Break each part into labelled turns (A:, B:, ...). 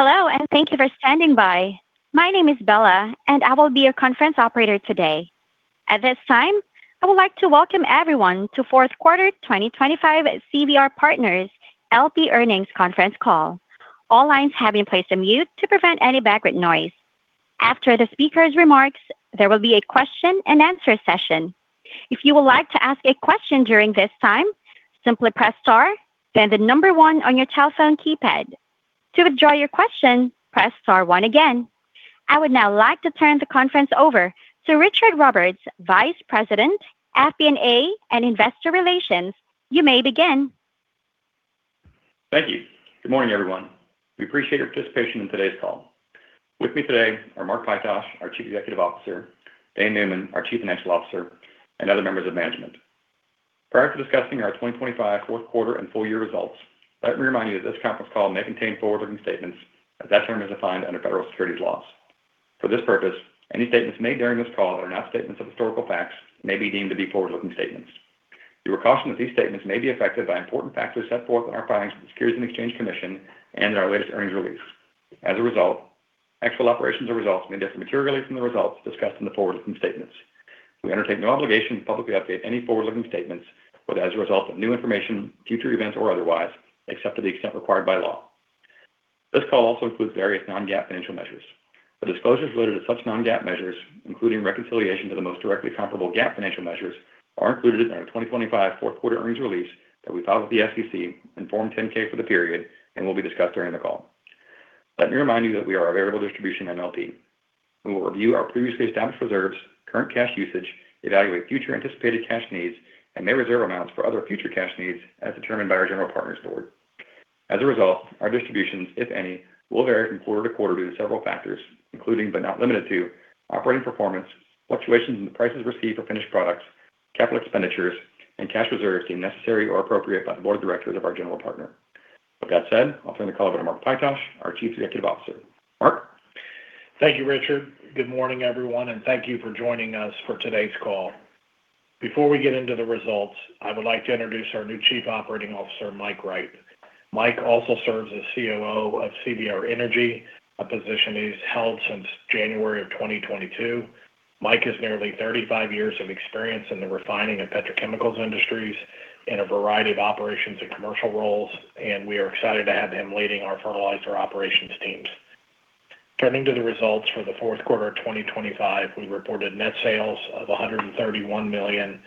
A: Hello, and thank you for standing by. My name is Bella, and I will be your conference operator today. At this time, I would like to welcome everyone to fourth quarter 2025 CVR Partners LP Earnings Conference Call. All lines have been placed on mute to prevent any background noise. After the speaker's remarks, there will be a question-and-answer session. If you would like to ask a question during this time, simply press star, then the number one on your telephone keypad. To withdraw your question, press star one again. I would now like to turn the conference over to Richard Roberts, Vice President, FP&A, and Investor Relations. You may begin.
B: Thank you. Good morning, everyone. We appreciate your participation in today's call. With me today are Mark Pytosh, our Chief Executive Officer, Dane Neumann, our Chief Financial Officer, and other members of management. Prior to discussing our 2025 fourth quarter and full year results, let me remind you that this conference call may contain forward-looking statements as that term is defined under federal securities laws. For this purpose, any statements made during this call that are not statements of historical facts may be deemed to be forward-looking statements. We were cautioned that these statements may be affected by important factors set forth in our filings with the Securities and Exchange Commission and our latest earnings release. As a result, actual operations or results may differ materially from the results discussed in the forward-looking statements. We undertake no obligation to publicly update any forward-looking statements, whether as a result of new information, future events, or otherwise, except to the extent required by law. This call also includes various non-GAAP financial measures. The disclosures related to such non-GAAP measures, including reconciliation to the most directly comparable GAAP financial measures, are included in our 2025 fourth quarter earnings release that we filed with the SEC in Form 10-K for the period and will be discussed during the call. Let me remind you that we are a variable distribution MLP. We will review our previously established reserves, current cash usage, evaluate future anticipated cash needs, and may reserve amounts for other future cash needs as determined by our general partner's board. As a result, our distributions, if any, will vary from quarter to quarter due to several factors, including but not limited to operating performance, fluctuations in the prices received for finished products, capital expenditures, and cash reserves deemed necessary or appropriate by the board of directors of our general partner. With that said, I'll turn the call over to Mark Pytosh, our Chief Executive Officer. Mark?
C: Thank you, Richard. Good morning, everyone, and thank you for joining us for today's call. Before we get into the results, I would like to introduce our new Chief Operating Officer, Mike Wright. Mike also serves as COO of CVR Energy, a position he's held since January of 2022. Mike has nearly 35 years of experience in the refining and petrochemicals industries in a variety of operations and commercial roles, and we are excited to have him leading our fertilizer operations teams. Turning to the results for the fourth quarter of 2025, we reported net sales of $131 million,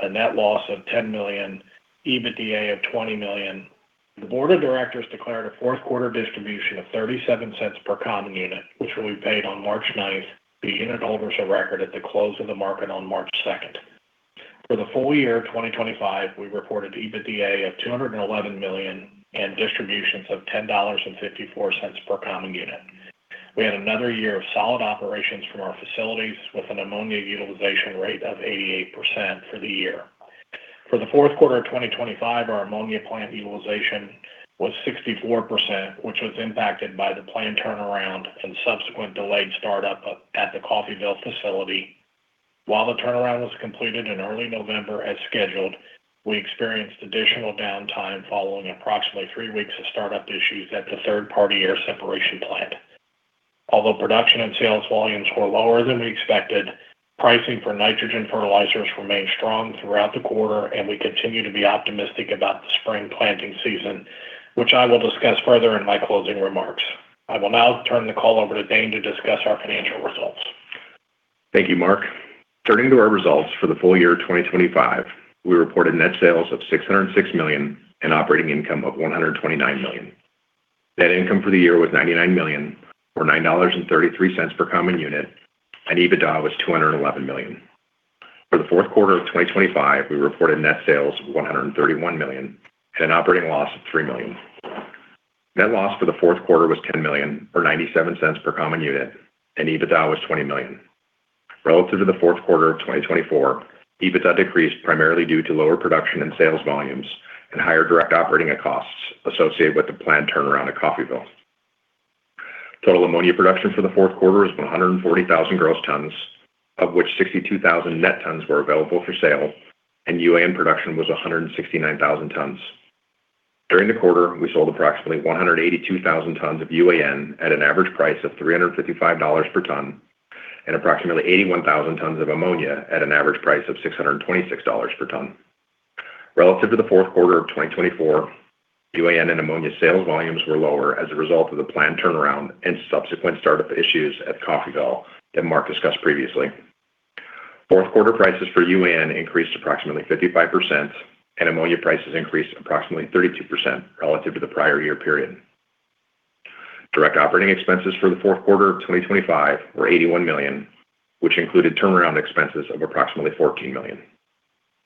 C: a net loss of $10 million, EBITDA of $20 million. The board of directors declared a fourth quarter distribution of $0.37 per common unit, which will be paid on March 9th, the unitholders of record at the close of the market on March second. For the full year of 2025, we reported EBITDA of $211 million and distributions of $10.54 per common unit. We had another year of solid operations from our facilities, with an ammonia utilization rate of 88% for the year. For the fourth quarter of 2025, our ammonia plant utilization was 64%, which was impacted by the plant turnaround and subsequent delayed startup at the Coffeyville facility. While the turnaround was completed in early November as scheduled, we experienced additional downtime following approximately three weeks of startup issues at the third-party air separation plant. Although production and sales volumes were lower than we expected, pricing for nitrogen fertilizers remained strong throughout the quarter, and we continue to be optimistic about the spring planting season, which I will discuss further in my closing remarks. I will now turn the call over to Dane to discuss our financial results.
D: Thank you, Mark. Turning to our results for the full year of 2025, we reported net sales of $606 million and operating income of $129 million. Net income for the year was $99 million, or $9.33 per common unit, and EBITDA was $211 million. For the fourth quarter of 2025, we reported net sales of $131 million and an operating loss of $3 million. Net loss for the fourth quarter was $10 million or $0.97 per common unit, and EBITDA was $20 million. Relative to the fourth quarter of 2024, EBITDA decreased primarily due to lower production and sales volumes and higher direct operating costs associated with the planned turnaround at Coffeyville. Total ammonia production for the fourth quarter was 140,000 gross tons, of which 62,000 net tons were available for sale, and UAN production was 169,000 tons. During the quarter, we sold approximately 182,000 tons of UAN at an average price of $355 per ton and approximately 81,000 tons of ammonia at an average price of $626 per ton. Relative to the fourth quarter of 2024, UAN and ammonia sales volumes were lower as a result of the planned turnaround and subsequent startup issues at Coffeyville that Mark discussed previously. Fourth quarter prices for UAN increased approximately 55%, and ammonia prices increased approximately 32% relative to the prior year period. Direct operating expenses for the fourth quarter of 2025 were $81 million, which included turnaround expenses of approximately $14 million.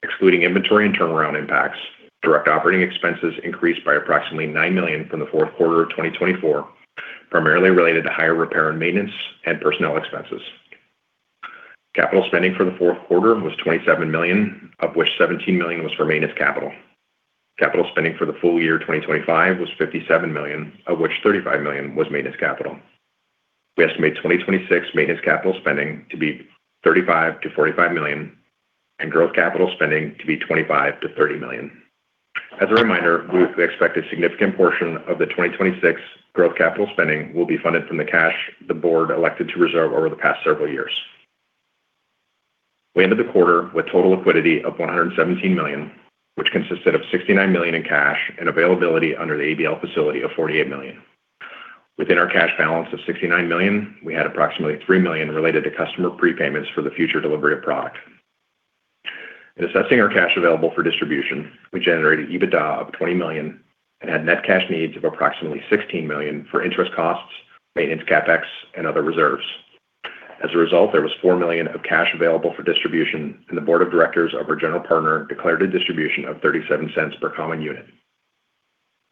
D: Excluding inventory and turnaround impacts, direct operating expenses increased by approximately $9 million from the fourth quarter of 2024, primarily related to higher repair and maintenance and personnel expenses. Capital spending for the fourth quarter was $27 million, of which $17 million was for maintenance capital. Capital spending for the full year 2025 was $57 million, of which $35 million was maintenance capital. We estimate 2026 maintenance capital spending to be $35 million-$45 million, and growth capital spending to be $25 million-$30 million. As a reminder, we expect a significant portion of the 2026 growth capital spending will be funded from the cash the board elected to reserve over the past several years. We ended the quarter with total liquidity of $117 million, which consisted of $69 million in cash and availability under the ABL facility of $48 million. Within our cash balance of $69 million, we had approximately $3 million related to customer prepayments for the future delivery of product. In assessing our cash available for distribution, we generated EBITDA of $20 million and had net cash needs of approximately $16 million for interest costs, maintenance, CapEx, and other reserves. As a result, there was $4 million of cash available for distribution, and the board of directors of our general partner declared a distribution of $0.37 per common unit.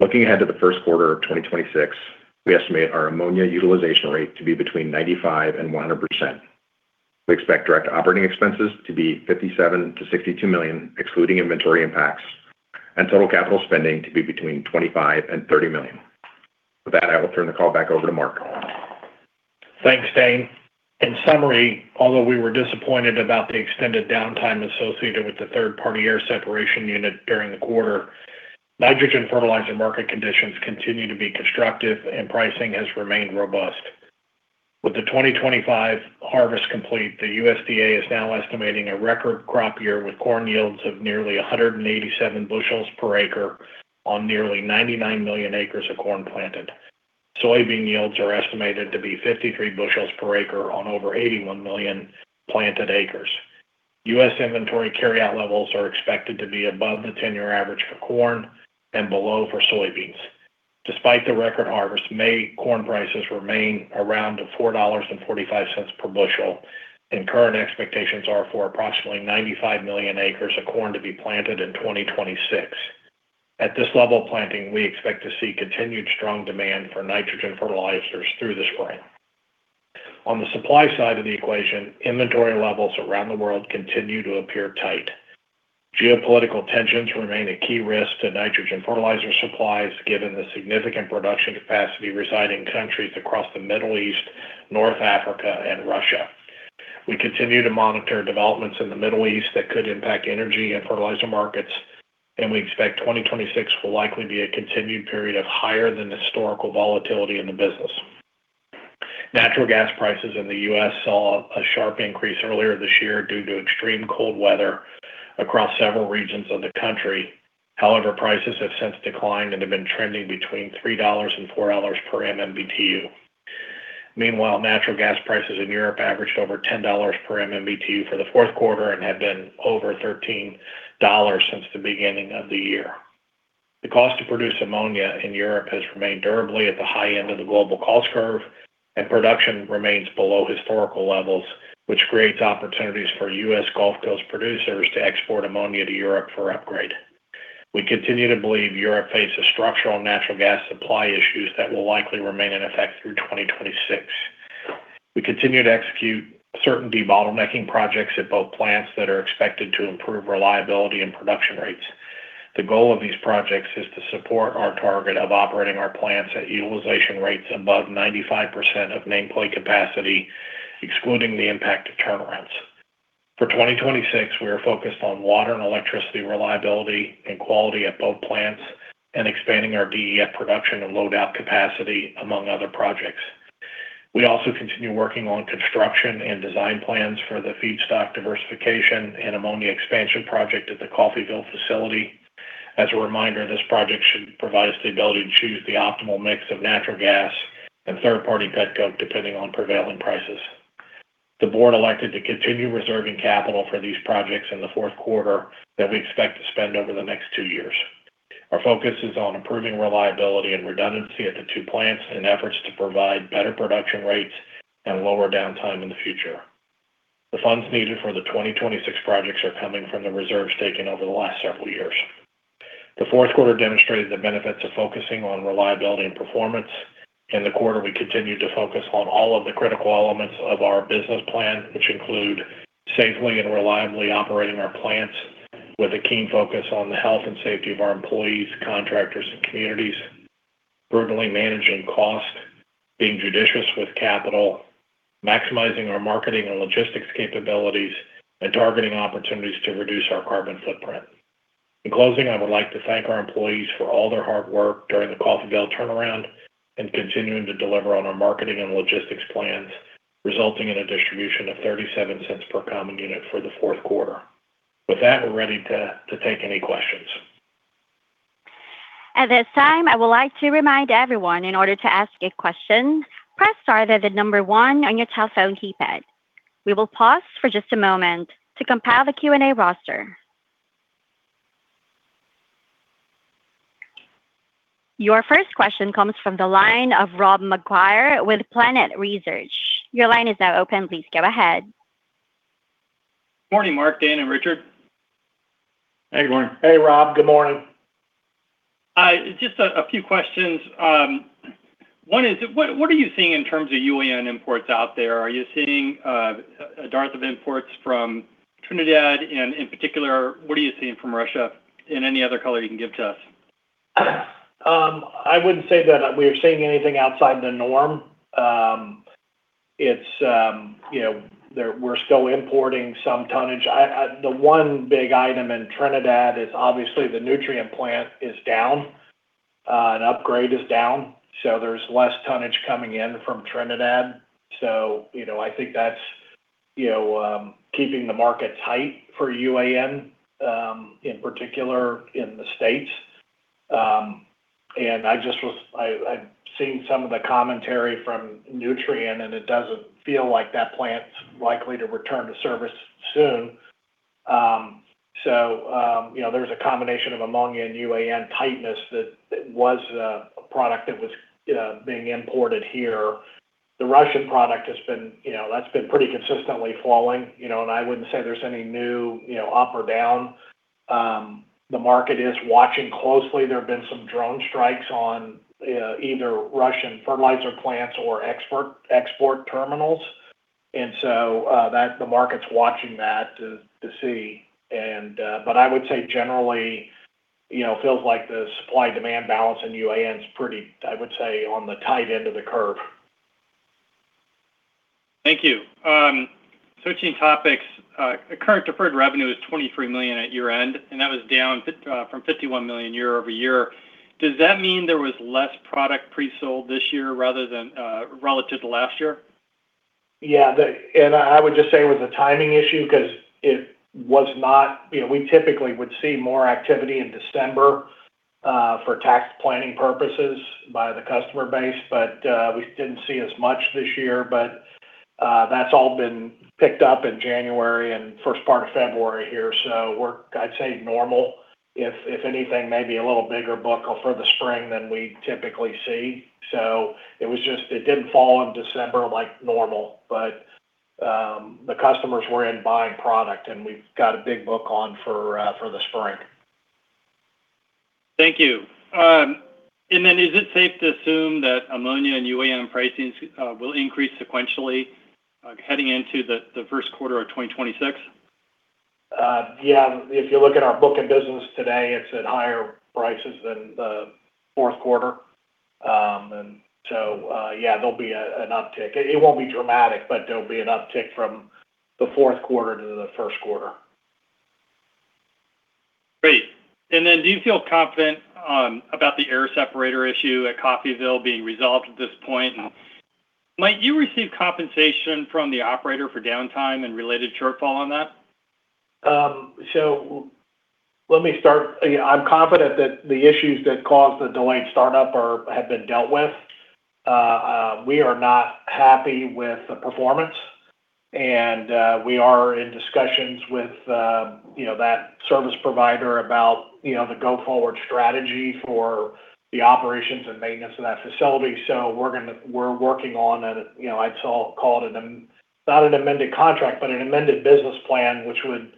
D: Looking ahead to the first quarter of 2026, we estimate our ammonia utilization rate to be between 95% and 100%. We expect direct operating expenses to be $57 million-$62 million, excluding inventory impacts, and total capital spending to be between $25 million and $30 million. With that, I will turn the call back over to Mark.
C: Thanks, Dane. In summary, although we were disappointed about the extended downtime associated with the third-party air separation unit during the quarter, nitrogen fertilizer market conditions continue to be constructive and pricing has remained robust. With the 2025 harvest complete, the USDA is now estimating a record crop year, with corn yields of nearly 187 bushels per acre on nearly 99 million acres of corn planted. Soybean yields are estimated to be 53 bushels per acre on over 81 million planted acres. U.S. inventory carryout levels are expected to be above the 10-year average for corn and below for soybeans. Despite the record harvest, May corn prices remain around $4.45 per bushel, and current expectations are for approximately 95 million acres of corn to be planted in 2026. At this level of planting, we expect to see continued strong demand for nitrogen fertilizers through the spring. On the supply side of the equation, inventory levels around the world continue to appear tight. Geopolitical tensions remain a key risk to nitrogen fertilizer supplies, given the significant production capacity residing in countries across the Middle East, North Africa, and Russia. We continue to monitor developments in the Middle East that could impact energy and fertilizer markets, and we expect 2026 will likely be a continued period of higher than historical volatility in the business. Natural gas prices in the U.S. saw a sharp increase earlier this year due to extreme cold weather across several regions of the country. However, prices have since declined and have been trending between $3 and $4 per MMBtu. Meanwhile, natural gas prices in Europe averaged over $10 per MMBtu for the fourth quarter and have been over $13 since the beginning of the year. The cost to produce ammonia in Europe has remained durably at the high end of the global cost curve, and production remains below historical levels, which creates opportunities for U.S. Gulf Coast producers to export ammonia to Europe for upgrade. We continue to believe Europe faces structural natural gas supply issues that will likely remain in effect through 2026. We continue to execute certain debottlenecking projects at both plants that are expected to improve reliability and production rates. The goal of these projects is to support our target of operating our plants at utilization rates above 95% of nameplate capacity, excluding the impact of turnarounds. For 2026, we are focused on water and electricity reliability and quality at both plants and expanding our DEF production and load out capacity, among other projects. We also continue working on construction and design plans for the feedstock diversification and ammonia expansion project at the Coffeyville facility. As a reminder, this project should provide us the ability to choose the optimal mix of natural gas and third-party petcoke, depending on prevailing prices. The board elected to continue reserving capital for these projects in the fourth quarter that we expect to spend over the next two years. Our focus is on improving reliability and redundancy at the two plants in efforts to provide better production rates and lower downtime in the future. The funds needed for the 2026 projects are coming from the reserves taken over the last several years. The fourth quarter demonstrated the benefits of focusing on reliability and performance. In the quarter, we continued to focus on all of the critical elements of our business plan, which include safely and reliably operating our plants with a keen focus on the health and safety of our employees, contractors, and communities, brutally managing costs, being judicious with capital, maximizing our marketing and logistics capabilities, and targeting opportunities to reduce our carbon footprint. In closing, I would like to thank our employees for all their hard work during the Coffeyville turnaround and continuing to deliver on our marketing and logistics plans, resulting in a distribution of $0.37 per common unit for the fourth quarter. With that, we're ready to take any questions.
A: At this time, I would like to remind everyone, in order to ask a question, press star, then the number one on your telephone keypad. We will pause for just a moment to compile the Q&A roster. Your first question comes from the line of Rob McGuire with Granite Research. Your line is now open. Please go ahead.
E: Morning, Mark, Dane, and Richard.
D: Hey, good morning.
C: Hey, Rob. Good morning.
E: Just a few questions. One is, what are you seeing in terms of UAN imports out there? Are you seeing a dearth of imports from Trinidad? And in particular, what are you seeing from Russia and any other color you can give to us?
C: I wouldn't say that we are seeing anything outside the norm. It's, you know, there—we're still importing some tonnage. The one big item in Trinidad is obviously the Nutrien plant is down, and upgrader is down, so there's less tonnage coming in from Trinidad. So, you know, I think that's, you know, keeping the market tight for UAN, in particular in the States. And I've seen some of the commentary from Nutrien, and it doesn't feel like that plant's likely to return to service soon. So, you know, there's a combination of ammonia and UAN tightness. That was a product that was, you know, being imported here. The Russian product has been, you know, that's been pretty consistently falling, you know, and I wouldn't say there's any new, you know, up or down. The market is watching closely. There have been some drone strikes on either Russian fertilizer plants or export terminals, and so, that the market's watching that to see. But I would say generally, you know, feels like the supply-demand balance in UAN is pretty, I would say, on the tight end of the curve.
E: Thank you. Switching topics, current deferred revenue is $23 million at year-end, and that was down 50 from $51 million year-over-year. Does that mean there was less product pre-sold this year rather than relative to last year?
C: Yeah, and I would just say it was a timing issue 'cause it was not, you know, we typically would see more activity in December for tax planning purposes by the customer base, but we didn't see as much this year. But that's all been picked up in January and first part of February here, so we're, I'd say, normal. If anything, maybe a little bigger book for the spring than we typically see. So it was just, it didn't fall in December like normal, but the customers were in buying product, and we've got a big book on for the spring.
E: Thank you. And then is it safe to assume that ammonia and UAN pricing will increase sequentially heading into the first quarter of 2026?
C: Yeah. If you look at our book of business today, it's at higher prices than the fourth quarter. And so, yeah, there'll be an uptick. It won't be dramatic, but there'll be an uptick from the fourth quarter to the first quarter.
E: Great. And then, do you feel confident about the air separator issue at Coffeyville being resolved at this point? Might you receive compensation from the operator for downtime and related shortfall on that?
C: So let me start. Yeah, I'm confident that the issues that caused the delayed startup have been dealt with. We are not happy with the performance, and we are in discussions with, you know, that service provider about, you know, the go-forward strategy for the operations and maintenance of that facility. So we're working on it, you know, I'd call it not an amended contract, but an amended business plan, which would,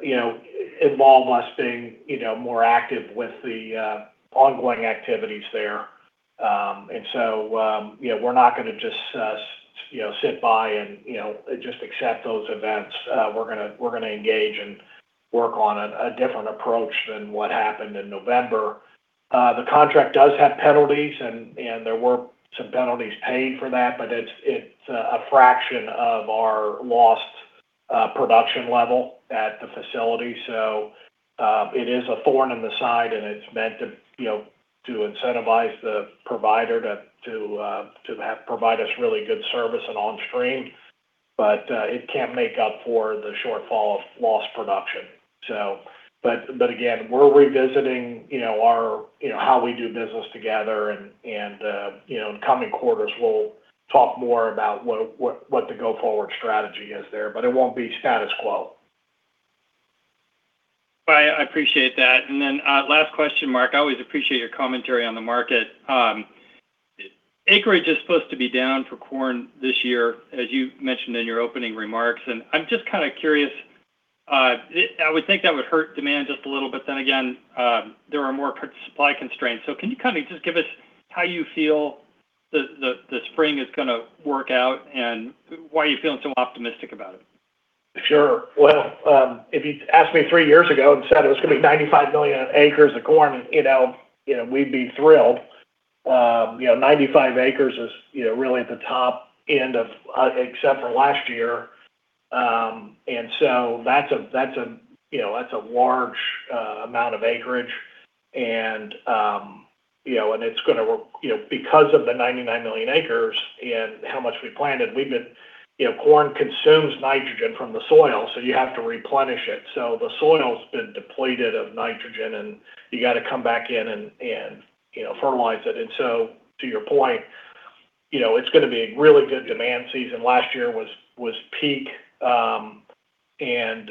C: you know, involve us being, you know, more active with the ongoing activities there. And so, you know, we're not gonna just, you know, sit by and, you know, just accept those events. We're gonna engage and work on a different approach than what happened in November. The contract does have penalties and there were some penalties paid for that, but it's a fraction of our lost production level at the facility. So, it is a thorn in the side, and it's meant to, you know, to incentivize the provider to provide us really good service and onstream, but it can't make up for the shortfall of lost production. So, but again, we're revisiting, you know, our, you know, how we do business together and, you know, in coming quarters, we'll talk more about what the go-forward strategy is there, but it won't be status quo.
E: I appreciate that. And then, last question, Mark. I always appreciate your commentary on the market. Acreage is supposed to be down for corn this year, as you mentioned in your opening remarks, and I'm just kind of curious. I would think that would hurt demand just a little, but then again, there are more supply constraints. So can you kind of just give us how you feel the spring is gonna work out and why are you feeling so optimistic about it?
C: Sure. Well, if you'd asked me three years ago and said it was gonna be 95 million acres of corn, you know, you know, we'd be thrilled. You know, 95 acres is, you know, really at the top end of, except for last year. And so that's a, that's a, you know, that's a large, amount of acreage and, you know, and it's gonna work. You know, because of the 99 million acres and how much we planted, we've been. You know, corn consumes nitrogen from the soil, so you have to replenish it. So the soil's been depleted of nitrogen, and you got to come back in and, you know, fertilize it. And so to your point, you know, it's gonna be a really good demand season. Last year was peak, and,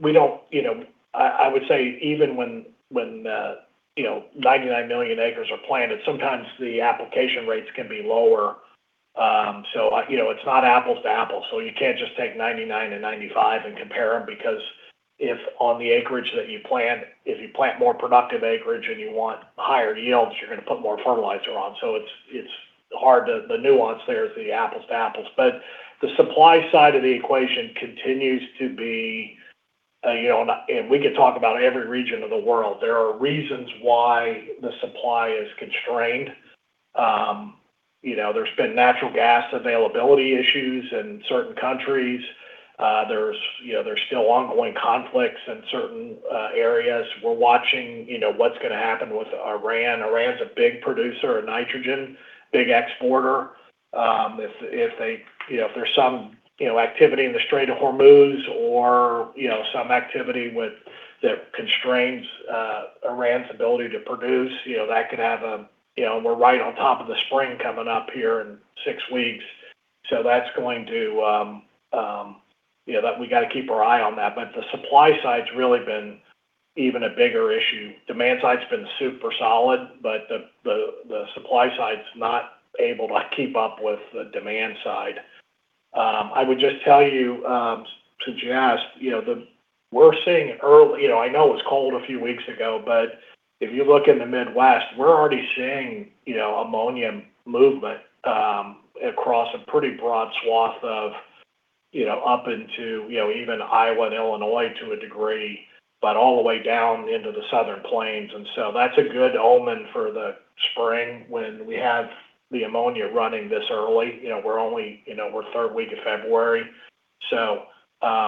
C: we don't, you know. I would say even when you know, 99 million acres are planted, sometimes the application rates can be lower. So, you know, it's not apples to apples, so you can't just take 99 to 95 and compare them, because if on the acreage that you plant, if you plant more productive acreage and you want higher yields, you're gonna put more fertilizer on. So it's hard to, the nuance there is the apples to apples. But the supply side of the equation continues to be, you know, and we could talk about every region of the world. There are reasons why the supply is constrained. You know, there's been natural gas availability issues in certain countries. There's, you know, there's still ongoing conflicts in certain areas. We're watching, you know, what's gonna happen with Iran. Iran's a big producer of nitrogen, big exporter. If, if they, you know, if there's some, you know, activity in the Strait of Hormuz or, you know, some activity with that constrains Iran's ability to produce, you know, that could have a you know, we're right on top of the spring coming up here in six weeks, so that's going to, you know, that we got to keep our eye on that. But the supply side's really been even a bigger issue. Demand side's been super solid, but the supply side's not able to keep up with the demand side. I would just tell you to Jess, you know, we're seeing early. You know, I know it was cold a few weeks ago, but if you look in the Midwest, we're already seeing, you know, ammonia movement across a pretty broad swath of, you know, up into, you know, even Iowa and Illinois to a degree, but all the way down into the Southern plains. And so that's a good omen for the spring when we have the ammonia running this early. You know, we're only, you know, we're third week of February. So,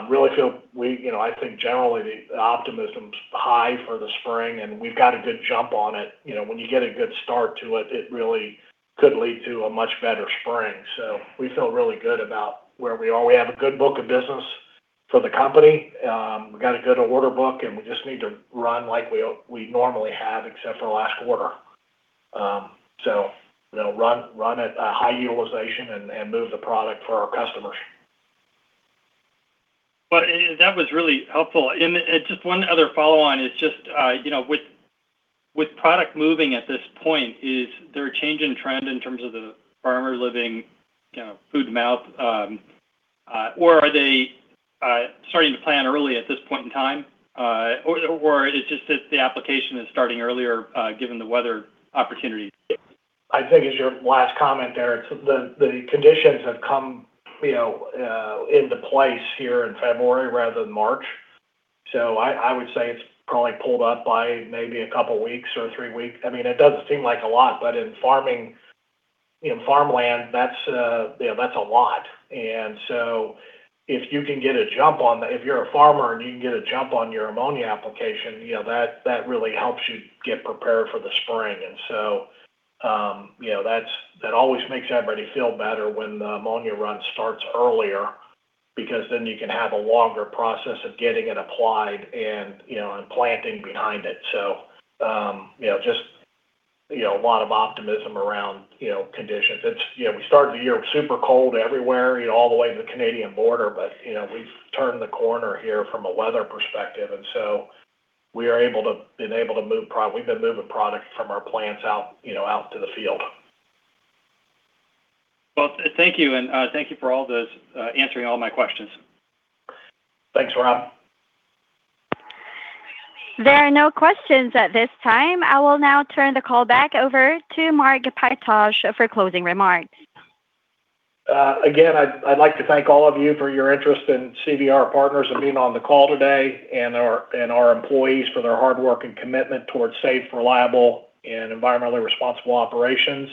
C: really feel we, you know, I think generally the optimism's high for the spring, and we've got a good jump on it. You know, when you get a good start to it, it really could lead to a much better spring. So we feel really good about where we are. We have a good book of business for the company. We got a good order book, and we just need to run like we normally have, except for the last quarter. So, you know, run at a high utilization and move the product for our customers.
E: But, that was really helpful. And, just one other follow on is just, you know, with product moving at this point, is there a change in trend in terms of the farmer living, you know, food to mouth? Or are they starting to plan early at this point in time? Or it's just that the application is starting earlier, given the weather opportunity?
C: I think it's your last comment there. The conditions have come, you know, into place here in February rather than March. So I would say it's probably pulled up by maybe a couple of weeks or 3 weeks. I mean, it doesn't seem like a lot, but in farming, in farmland, that's, you know, that's a lot. And so if you can get a jump on that, if you're a farmer and you can get a jump on your ammonia application, you know, that, that really helps you get prepared for the spring. And so, you know, that's, that always makes everybody feel better when the ammonia run starts earlier, because then you can have a longer process of getting it applied and, you know, and planting behind it. So, you know, just, you know, a lot of optimism around, you know, conditions. It's, you know, we started the year super cold everywhere, you know, all the way to the Canadian border, but, you know, we've turned the corner here from a weather perspective, and so we are able to—been able to move product. We've been moving product from our plants out, you know, out to the field.
E: Well, thank you, and thank you for all this, answering all my questions.
C: Thanks, Rob.
A: There are no questions at this time. I will now turn the call back over to Mark Pytosh for closing remarks.
C: Again, I'd like to thank all of you for your interest in CVR Partners and being on the call today, and our employees for their hard work and commitment toward safe, reliable, and environmentally responsible operations.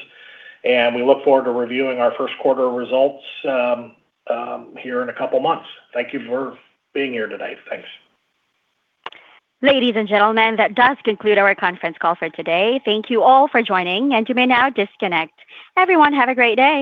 C: We look forward to reviewing our first quarter results here in a couple of months. Thank you for being here today. Thanks.
A: Ladies and gentlemen, that does conclude our conference call for today. Thank you all for joining, and you may now disconnect. Everyone, have a great day.